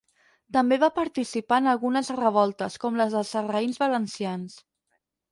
També va participar en algunes revoltes, com les dels sarraïns valencians.